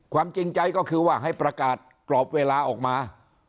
จริงใจก็คือว่าให้ประกาศกรอบเวลาออกมา